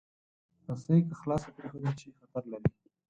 رسۍ که خلاصه پرېښودل شي، خطر لري.